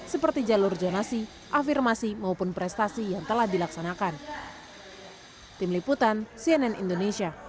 seperti jalur zonasi afirmasi maupun prestasi yang telah dilaksanakan